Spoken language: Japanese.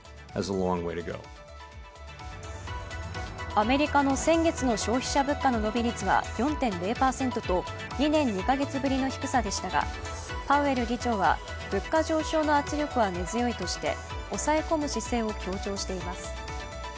アメリカの先月の消費者物価の伸び率は４．０％と２年２か月ぶりの低さでしたが、パウエル議長は物価上昇の圧力は根強いとして押さえ込む姿勢を強調しています。